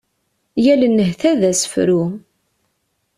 Yal nnehta d asefru.